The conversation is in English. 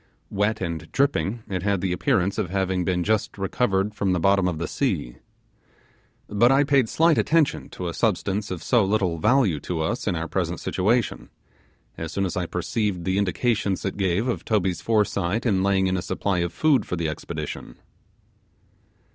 Wet and dripping, it had the appearance of having been just recovered from the bottom of the sea. But I paid slight attention to a substance of so little value to us in our present situation, as soon as I perceived the indications it gave of Toby's foresight in laying in a supply of food for the expedition.